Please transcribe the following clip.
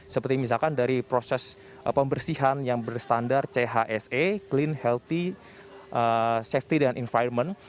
seperti misalkan dari proses pembersihan yang berstandar chse clean healthy safety dan environment